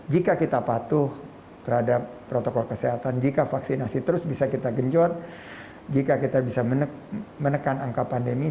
jika kita patuh terhadap protokol kesehatan jika vaksinasi terus bisa kita genjot jika kita bisa menekan angka pandemi